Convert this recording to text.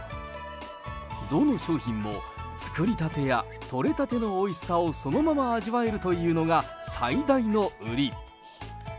どの商品も作りたてや取れたてのおいしさをそのまま味わえるというのが、最大の売り。